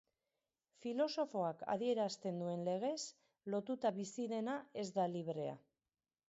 Filosofoak adierazten duen legez, lotuta bizi dena ez da librea.